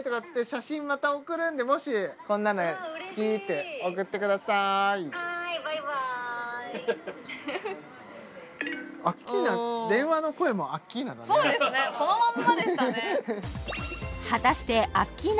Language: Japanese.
写真また送るんでもしこんなの好きって送ってくださいアッキーナそうですねそのまんまでしたね